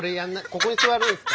ここに座るんですか？